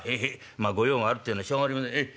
まあ御用があるっていうのはしょうがありませんええ。